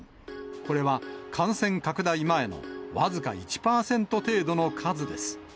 これは感染拡大前の僅か１％程度の数です。